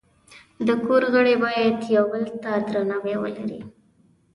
د کور غړي باید یو بل ته درناوی ولري.